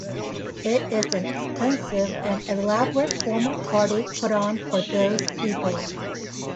It is an expensive and elaborate formal party put on for those people.